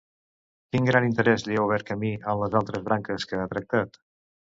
Quin gran interès li ha obert camí en les altres branques que ha tractat?